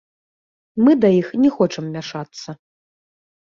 Мы да іх не хочам мяшацца.